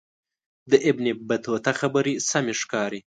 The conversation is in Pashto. د ابن بطوطه خبرې سمې ښکاري.